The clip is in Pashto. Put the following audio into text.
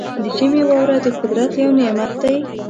د ژمي واوره د قدرت یو نعمت دی.